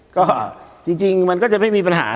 ก็จริงมันก็จะไม่มีปัญหา